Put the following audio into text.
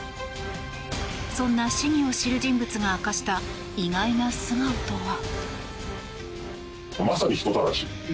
そんな市議を知る人物が明かした意外な素顔とは。